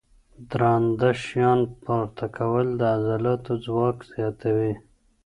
درانده شیان پورته کول د عضلاتو ځواک زیاتوي.